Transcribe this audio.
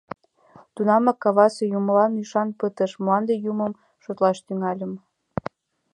Тунамак кавасе юмылан ӱшан пытыш, мланде юмым шотлаш тӱҥальым.